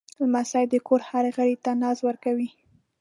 لمسی د کور هر غړي ته ناز ورکوي.